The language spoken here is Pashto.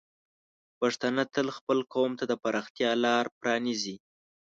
پښتانه تل خپل قوم ته د پراختیا لار پرانیزي.